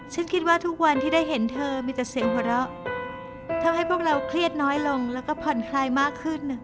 ฉันคิดว่าทุกวันที่ได้เห็นเธอมีแต่เสียงหัวเราะทำให้พวกเราเครียดน้อยลงแล้วก็ผ่อนคลายมากขึ้น